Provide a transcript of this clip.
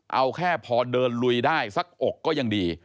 เอาแค่พอเดินลุยได้สักอกก็ยังดี